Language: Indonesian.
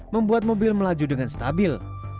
membuat mobil melaju dengan stabil